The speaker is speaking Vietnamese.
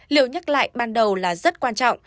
liều nhắc lại ban đầu là rất quan trọng